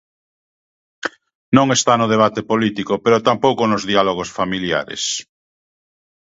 Non está no debate político, pero tampouco nos diálogos familiares.